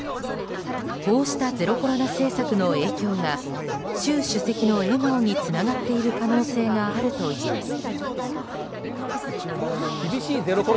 こうしたゼロコロナ政策の影響が習主席の笑顔につながっている可能性があるといいます。